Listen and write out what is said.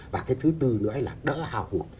và cái thứ tư nữa là đỡ hào hụt